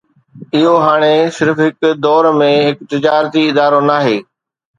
اهو هاڻي صرف هڪ دور ۾ هڪ تجارتي ادارو ناهي